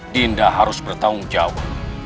dinda harus bertanggung jawab